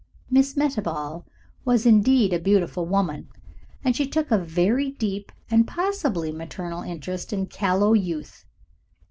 Miss Mehitabel was indeed a beautiful woman, and she took a very deep and possibly maternal interest in callow youth.